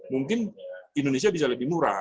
mungkin indonesia bisa lebih murah